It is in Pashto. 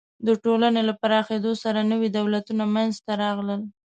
د ټولنو له پراخېدو سره نوي دولتونه منځ ته راغلل.